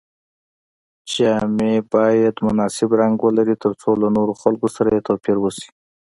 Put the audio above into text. جامې باید مناسب رنګ ولري تر څو له نورو خلکو سره یې توپیر وشي.